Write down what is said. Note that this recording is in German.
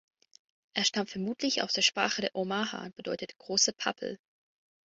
Er stammt vermutlich aus der Sprache der Omaha und bedeutet „große Pappel“.